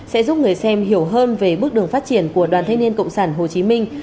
sẽ giúp người xem hiểu hơn về bước đường phát triển của đoàn thanh niên cộng sản hồ chí minh